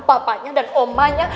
papanya dan omanya